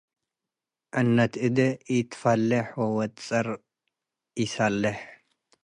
ዕነት ሕገ ኢትፈሌሕ ወወድ ጸር ኢሰሌሕ።